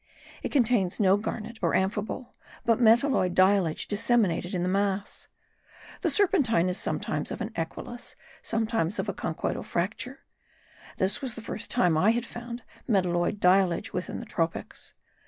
It contains no garnet or amphibole, but metalloid diallage disseminated in the mass. The serpentine is sometimes of an esquillous, sometimes of a conchoidal fracture: this was the first time I had found metalloid diallage within the tropics.